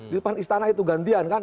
di depan istana itu gantian kan